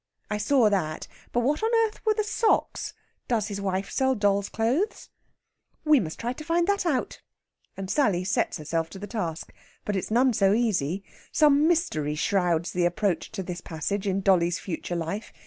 "I saw that. But what on earth were the socks? Does his wife sell doll's clothes?" "We must try to find that out." And Sally sets herself to the task. But it's none so easy. Some mystery shrouds the approach to this passage in dolly's future life.